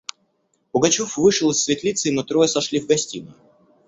Пугачев вышел из светлицы, и мы трое сошли в гостиную.